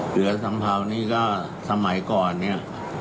เหลือสัมเภานี่ก็สมัยก่อนเนี่ย